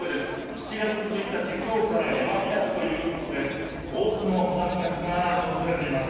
７月１日今日から山開きということで多くの登山客が訪れています。